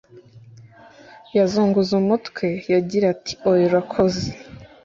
yazunguza umutwe. yagira ati oya, urakoze